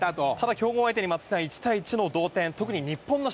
強豪相手に松木さん、１対１の同点。